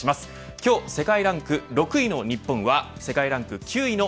今日、世界ランク６位の日本は世界ランク９位の